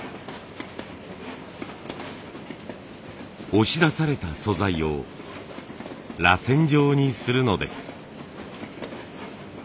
押し出された素材をらせん状にするのです。